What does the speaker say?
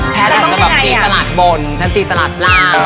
แพ้จะตีตลาดบนฉันตีตลาดล่าง